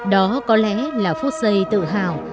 đó có lẽ là phút giây tự hào